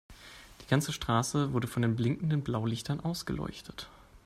Die ganze Straße wurde von den blinkenden Blaulichtern ausgeleuchtet.